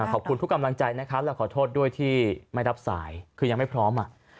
ขอบคุณทุกกำลังใจนะครับและขอโทษด้วยที่ไม่รับสายคือยังไม่พร้อม